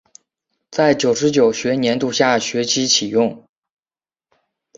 在九十九学年度下学期启用。